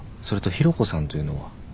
それと紘子さんというのは？